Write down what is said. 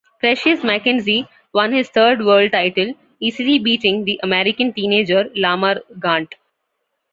Precious Mackenzie won his 'third' World title, easily beating the American teenager, Lamar Gant.